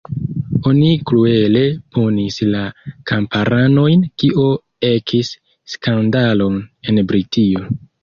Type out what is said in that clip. Oni kruele punis la kamparanojn, kio ekis skandalon en Britio.